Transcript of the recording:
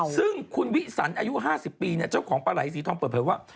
ซึ่งคุณวิสันอายุ๕๐ปีเจ้าของปลาไหลสีทองเปิดเผยว่า